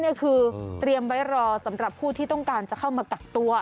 ก็คือเตรียมไว้รอสำหรับผู้ที่ต้องการจะเข้ามากักตัว